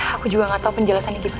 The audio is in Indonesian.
aku juga enggak tahu penjelasannya gimana